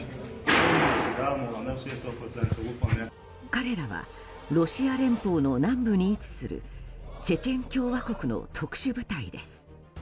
彼らはロシア連邦の南部に位置するチェチェン共和国の特殊部隊です。